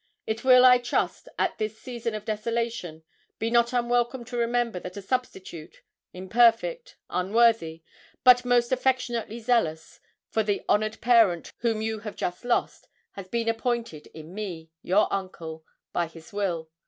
It will, I trust, at this season of desolation, be not unwelcome to remember that a substitute, imperfect unworthy but most affectionately zealous, for the honoured parent whom you have just lost, has been appointed, in me, your uncle, by his will.